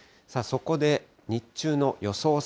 そこで日中の予想